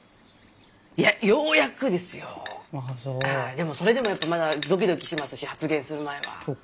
でもそれでもやっぱまだドキドキしますし発言する前は。